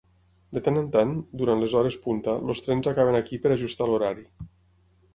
De tant en tant, durant les hores punta, els trens acaben aquí per ajustar l'horari.